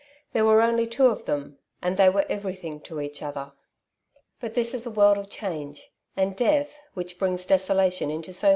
There were only two of them, and they were everything to each other. But this is a world of change, and death, which brings desolation into so ma.